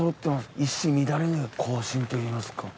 一糸乱れぬ行進といいますか。